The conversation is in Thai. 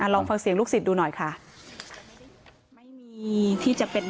อ่าลองฟังเสียงลูกศิษย์ดูหน่อยค่ะไม่มีที่จะเป็น